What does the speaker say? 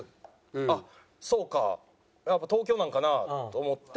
あっそうかやっぱ東京なんかなと思って。